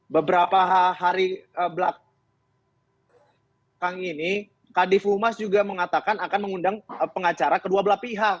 beberapa hari belakang ini kadif humas juga mengatakan akan mengundang pengacara kedua belah pihak